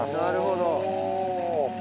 なるほど。